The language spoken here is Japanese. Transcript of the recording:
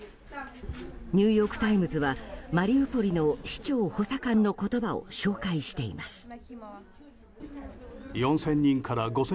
ニューヨーク・タイムズはマリウポリの市長補佐官の言葉を紹介しています。